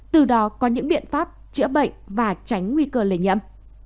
từ đó có những biện pháp chữa bệnh và tránh nguy cơ lây nhiễm